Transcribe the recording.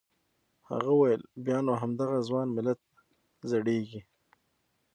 هغه وویل بیا نو همدغه ځوان ملت زړیږي.